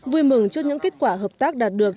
vui mừng trước những kết quả hợp tác đạt được